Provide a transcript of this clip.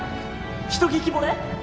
ひと聞き惚れ？